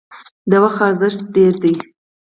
د وخت ارزښت ډیر دی